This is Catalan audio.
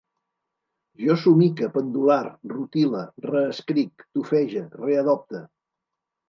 Jo somique, pendolar, rutile, reescric, tufege, readopte